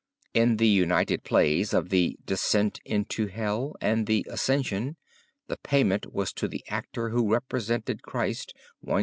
In the united plays of the "Descent into Hell" and the "Ascension," the payment was to the actor who represented Christ, 1s.